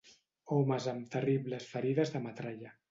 Homes amb terribles ferides de metralla